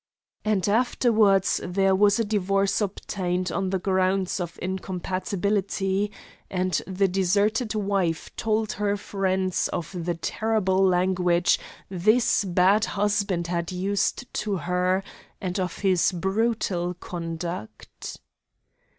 And afterwards there was a divorce obtained on the grounds of incompatibility, and the deserted wife told her friends of the terrible language this bad husband had used to her, and of his brutal conduct.